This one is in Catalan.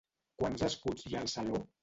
Quants escuts hi ha al saló?